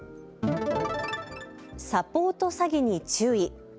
サポート詐欺に注意。